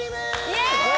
イエーイ！